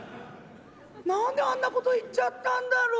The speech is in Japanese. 何であんなこと言っちゃったんだろ」。